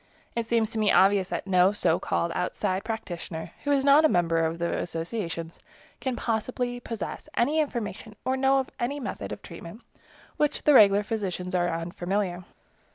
It seems to me obvious that no so called outside practitioner, who is not a member of the associations, can possibly possess any information or know of any method of treatment with which the regular physicians are unfamiliar.